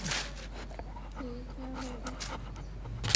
یہ کیا ہو گا؟